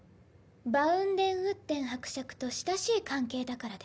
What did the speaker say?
バウンデンウッデン伯爵と親しい関係だからです。